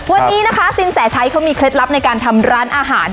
วันนี้นะคะสินแสชัยเขามีเคล็ดลับในการทำร้านอาหาร